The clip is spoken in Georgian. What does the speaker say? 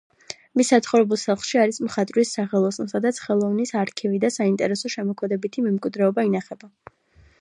მის საცხოვრებელ სახლში არის მხატვრის სახელოსნო, სადაც ხელოვნის არქივი და საინტერესო შემოქმედებითი მემკვიდრეობა ინახება.